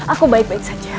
aku baik baik saja